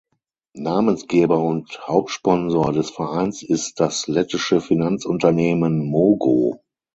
Namensgeber und Hauptsponsor des Vereins ist das lettische Finanzunternehmen "Mogo".